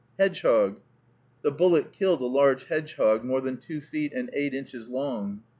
"Hedgehog!" The bullet killed a large hedgehog more than two feet and eight inches long.